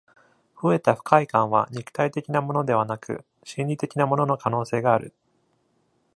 増えた不快感は、肉体的なものではなく心理的なものの可能性がある。